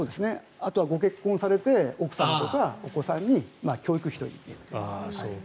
あとはご結婚されて奥さんとかお子さんに教育費という面で。